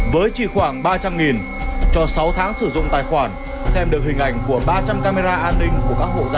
với chỉ khoảng ba trăm linh cho sáu tháng sử dụng tài khoản xem được hình ảnh của ba trăm linh camera an ninh